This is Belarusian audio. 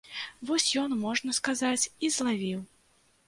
Вось ён, можна сказаць, і злавіў.